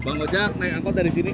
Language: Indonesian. bang kojak naik angkot dari sini kan